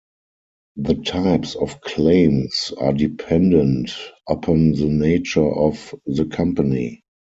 The types of claims are dependent upon the nature of the company.